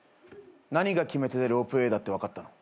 何が決め手でロープウエーだって分かったの？